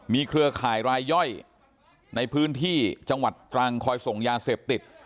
เครือข่ายรายย่อยในพื้นที่จังหวัดตรังคอยส่งยาเสพติด